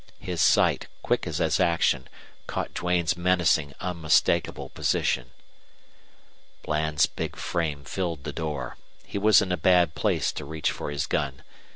His sight, quick as his action, caught Duane's menacing unmistakable position. Bland's big frame filled the door. He was in a bad place to reach for his gun.